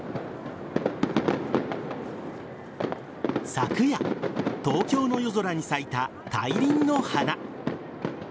昨夜東京の夜空に咲いた大輪の花。